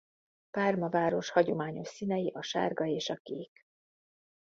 Parma város hagyományos színei a sárga és a kék.